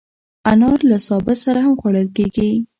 انار له سابه سره هم خوړل کېږي.